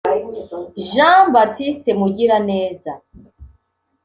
Jean Baptiste Mugiraneza